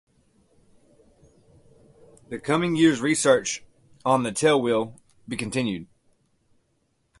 The coming years research on the tell will be continued.